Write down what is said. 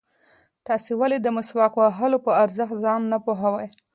تاسې ولې د مسواک وهلو په ارزښت ځان نه پوهوئ؟